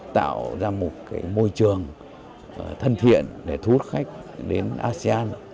tạo ra một môi trường thân thiện để thu hút khách đến asean